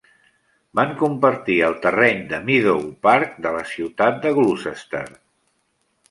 Van compartir el terreny de Meadow Parc de la ciutat de Gloucester.